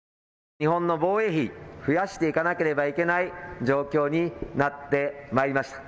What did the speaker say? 日本の防衛費、増やしていかなければいけない状況になってまいりました。